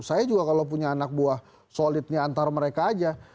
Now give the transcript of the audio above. saya juga kalau punya anak buah solidnya antar mereka aja